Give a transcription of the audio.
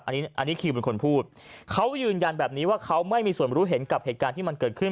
อันนี้คิวเป็นคนพูดเขายืนยันแบบนี้ว่าเขาไม่มีส่วนรู้เห็นกับเหตุการณ์ที่มันเกิดขึ้น